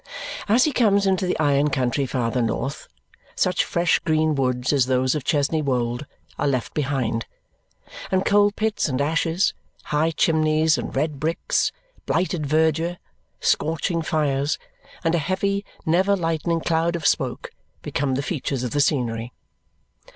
As he comes into the iron country farther north, such fresh green woods as those of Chesney Wold are left behind; and coal pits and ashes, high chimneys and red bricks, blighted verdure, scorching fires, and a heavy never lightening cloud of smoke become the features of the scenery.